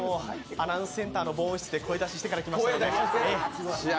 アナウンスセンターの防音室で声出ししてから来ました。